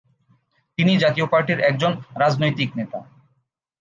তিনি জাতীয় পার্টির একজন রাজনৈতিক নেতা।